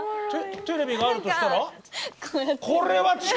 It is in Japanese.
テレビがあるとしたら？